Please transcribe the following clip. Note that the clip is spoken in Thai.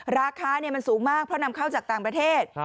ราคามันสูงมากเพราะนำเข้าจากต่างประเทศ